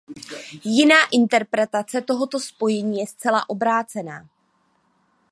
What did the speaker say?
Jiná interpretace tohoto spojení je zcela obrácená.